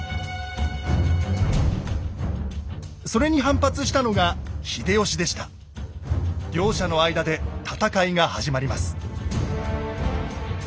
それに反発したのが両者の間で戦いが始まります。